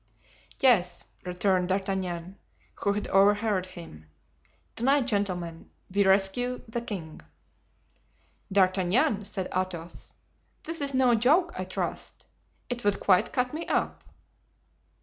"Yes," returned D'Artagnan, who had overheard him, "to night, gentlemen, we rescue the king." "D'Artagnan," said Athos, "this is no joke, I trust? It would quite cut me up."